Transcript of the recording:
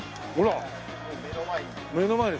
目の前に。